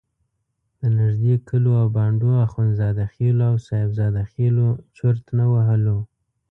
د نږدې کلیو او بانډو اخندزاده خېلو او صاحب زاده خېلو چرت نه وهلو.